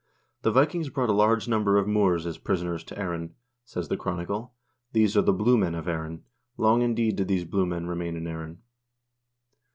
"The Vikings brought a large number of Moors as prisoners to Erin," says the chronicle; "these are the blue men in Erin ... long indeed did these blue men remain in Erin."